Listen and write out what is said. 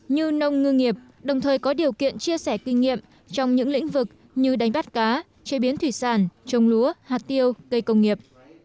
như nông ngư nghiệp đồng thời có điều kiện chia sẻ kinh nghiệm trong những lĩnh vực như đánh bắt cá chế biến thủy sản trồng lúa hạt tiêu cây công nghiệp